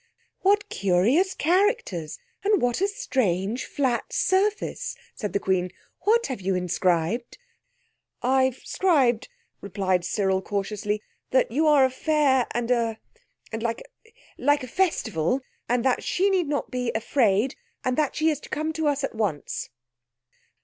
"What curious characters, and what a strange flat surface!" said the Queen. "What have you inscribed?" "I've "scribed," replied Cyril cautiously, "that you are fair, and a—and like a—like a festival; and that she need not be afraid, and that she is to come at once."